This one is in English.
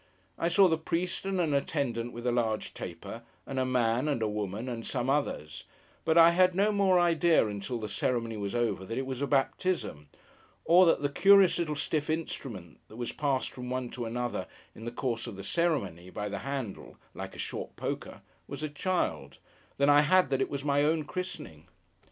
I saw the priest, and an attendant with a large taper, and a man, and a woman, and some others; but I had no more idea, until the ceremony was all over, that it was a baptism, or that the curious little stiff instrument, that was passed from one to another, in the course of the ceremony, by the handle—like a short poker—was a child, than I had that it was my own christening.